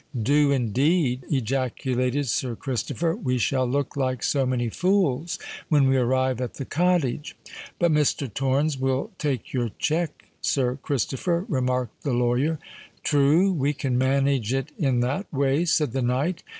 "Do, indeed!" ejaculated Sir Christopher. "We shall look like so many fools when we arrive at the Cottage." "But Mr. Torrens will take your cheque, Sir Christopher," remarked the lawyer. "True. We can manage it in that way," said the knight.